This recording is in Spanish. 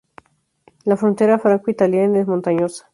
La frontera franco-italiana es montañosa.